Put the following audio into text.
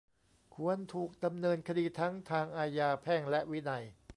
ควรถูกดำเนินคดีทั้งทางอาญา แพ่ง และวินัย